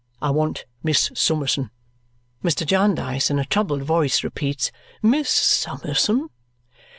I want Miss Summerson." Mr. Jarndyce in a troubled voice repeats, "Miss Summerson?"